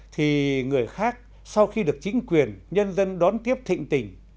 thì người khác sau khi được chính quyền nhân dân đón tiếp thịnh tình